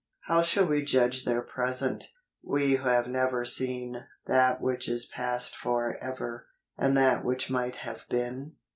213 How shall we judge their present, we who have never seen That which is past for ever, and that which might have been